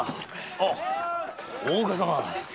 あ大岡様。